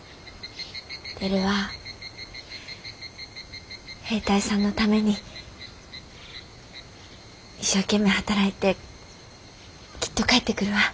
テルは兵隊さんのために一生懸命働いてきっと帰ってくるわ。